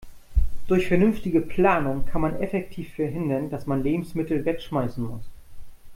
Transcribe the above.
Durch vernünftige Planung kann man effektiv verhindern, dass man Lebensmittel wegschmeißen muss.